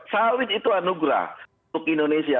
sawit itu anugerah untuk indonesia